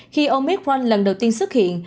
khi omicron lần đầu tiên xuất hiện